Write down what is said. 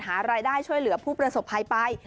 หารายได้ช่วยเหลือผู้ประสบภัยไป